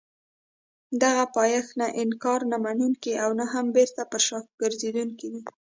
دغه پایښت نه انکار نه منونکی او نه هم بېرته پر شا ګرځېدونکی دی.